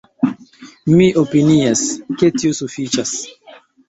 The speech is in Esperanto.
Mi opinias, ke tio sufiĉas!